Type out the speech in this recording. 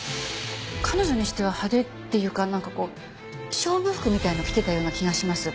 彼女にしては派手っていうかなんかこう勝負服みたいのを着てたような気がします。